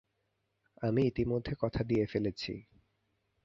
আমি ইতোমধ্যে কথা দিয়ে ফেলেছি।